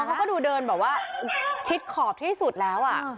เขาก็ดูเดินแบบว่าชิดขอบที่สุดแล้ว